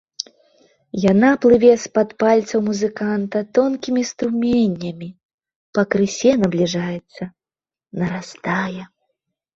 Яна плыве з-пад пальцаў музыканта тонкімі струменямі, пакрысе набліжаецца, нарастае.